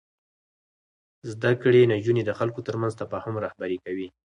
زده کړې نجونې د خلکو ترمنځ تفاهم رهبري کوي.